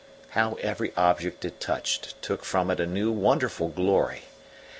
How every object it touched took from it a new wonderful glory!